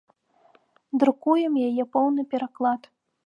Друкуем яе поўны пераклад.